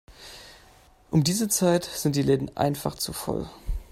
Um diese Zeit sind die Läden einfach zu voll.